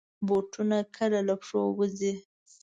بوټونه کله له پښو وځي.